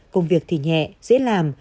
công việc thì nhẹ dễ làm